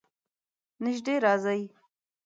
نژدې راځئ